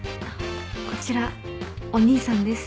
こちらお兄さんです